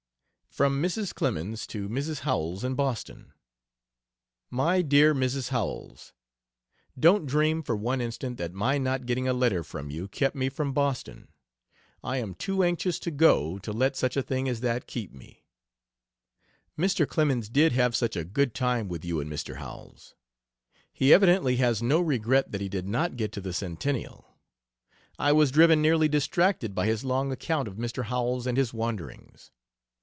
From Mrs. Clemens to Mrs. Howells, in Boston: MY DEAR MRS. HOWELLS, Don't dream for one instant that my not getting a letter from you kept me from Boston. I am too anxious to go to let such a thing as that keep me. Mr. Clemens did have such a good time with you and Mr. Howells. He evidently has no regret that he did not get to the Centennial. I was driven nearly distracted by his long account of Mr. Howells and his wanderings.